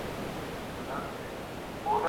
ګوندونه بايد د عامه افکارو پر بنسټ ريښې ټينګي کړي.